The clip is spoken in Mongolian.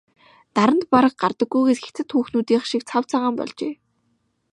Наранд бараг гардаггүйгээс хятад хүүхнүүдийнх шиг цав цагаан болжээ.